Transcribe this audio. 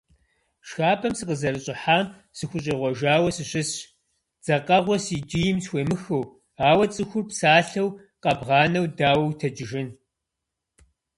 ШхапӀэм сыкъызэрыщӀыхьам сыхущӀегъуэжауэ сыщысщ, дзэкъэгъуэ си джийм схуемыхыу, ауэ цӀыхур псалъэу къэбгъанэу дауэ утэджыжын.